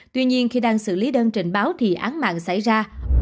tuy nhiên khi đang xử lý đơn trình báo thì án mạng xảy ra